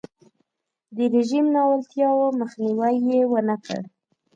د رژیم ناولتیاوو مخنیوی یې ونکړ.